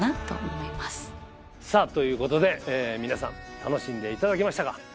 さあということで皆さん楽しんでいただけましたか？